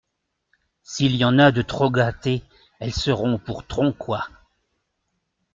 S’il y en a de trop gâtées, elles seront pour Tronquoy.